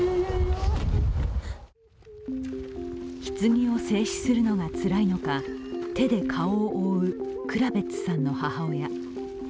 棺を正視するのがつらいのか手で顔を覆うクラベッツさんの母親。